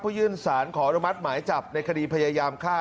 เพื่อยื่นสารขออนุมัติหมายจับในคดีพยายามฆ่า